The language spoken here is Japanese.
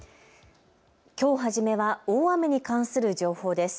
きょう初めは大雨に関する情報です。